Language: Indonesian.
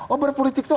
oh berpolitik itu asik